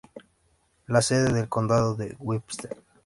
La sede del condado es Webster.